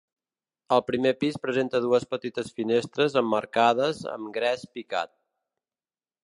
Al primer pis presenta dues petites finestres emmarcades amb gres picat.